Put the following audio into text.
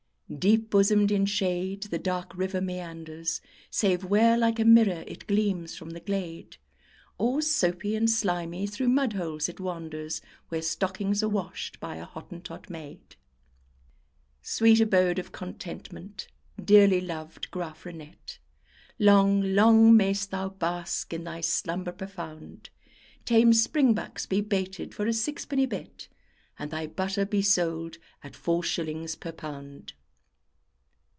Deep bosomed in shade the dark river meanders, Save where, like a mirror, it gleams from the glade; Or soapy and slimy through mud holes it wanders, Where stockings are washed by a Hottentot maid. Sweet abode of content; dearly loved Graaff Reinet! Long, long mayst thou bask in thy slumber profound; Tame spring bucks be baited for a sixpenny bet, And thy butter be sold at four shillings per pound.